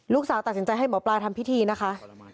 ตัดสินใจให้หมอปลาทำพิธีนะคะ